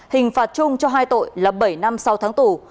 hình phạt chung cho hai tội là bảy năm sau tháng tù